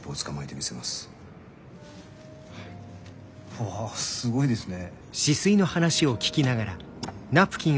わぁすごいですね。